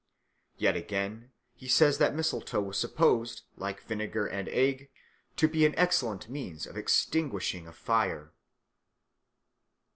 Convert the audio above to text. Yet, again, he says that mistletoe was supposed, like vinegar and an egg, to be an excellent means of extinguishing a fire.